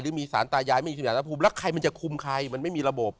หรือมีสารตายายไม่มีสถานภูมิแล้วใครมันจะคุมใครมันไม่มีระบบ